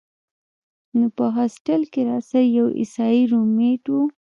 نو پۀ هاسټل کښې راسره يو عيسائي رومېټ وۀ